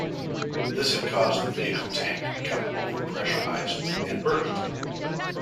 This had caused the vehicle tank to become over-pressurized and burst.